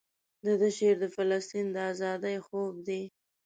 دده شعر د فلسطین د ازادۍ خوب دی.